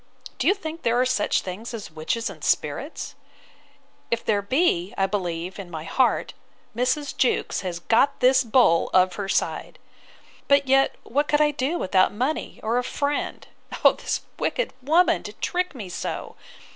—Do you think there are such things as witches and spirits? If there be, I believe, in my heart, Mrs. Jewkes has got this bull of her side. But yet, what could I do without money, or a friend'—O this wicked woman! to trick me so!